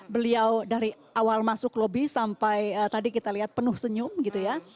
beliau dari awal masuk lobby sampai tadi kita lihat penuh senyum gitu ya